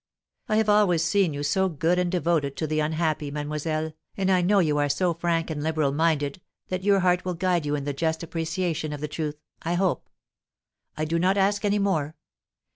I have always seen you so good and devoted to the unhappy, mademoiselle, and I know you are so frank and liberal minded, that your heart will guide you in the just appreciation of the truth, I hope. I do not ask any more.